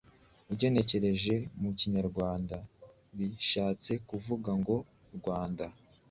ugenekereje mu Kinyarwanda bishatse kuvuga ngo 'Rwanda: